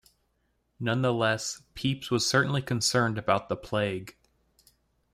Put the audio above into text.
Nonetheless, Pepys was certainly concerned about the plague.